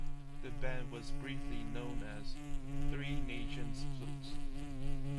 The band was briefly known as Three Nations Flutes.